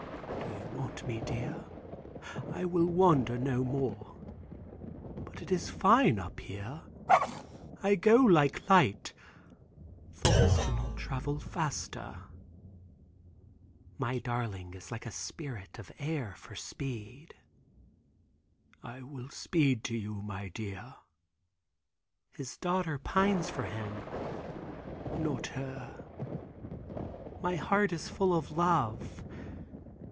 "Do you want me, dear? I will wander no more. But it is fine up here. I go like light. Thoughts cannot travel faster." "My darling is like a spirit of air for speed." "I will speed to you, dear." "His daughter pines for him." "Not her." "My heart is full of love.